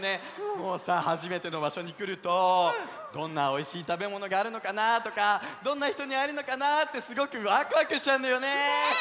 もうさはじめてのばしょにくるとどんなおいしいたべものがあるのかなとかどんなひとにあえるのかなってすごくワクワクしちゃうんだよね！